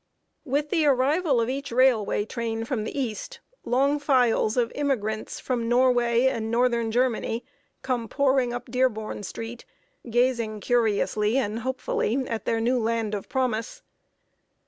With the arrival of each railway train from the east, long files of immigrants from Norway and northern Germany come pouring up Dearborn street, gazing curiously and hopefully at their new Land of Promise.